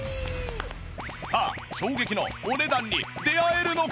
さあ衝撃のお値段に出会えるのか？